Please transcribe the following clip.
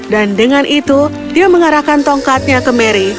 dengan itu dia mengarahkan tongkatnya ke mary